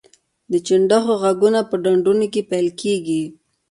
د چنډخو غږونه په ډنډونو کې پیل کیږي